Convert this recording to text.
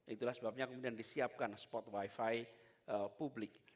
itulah sebabnya kemudian disiapkan spot wifi publik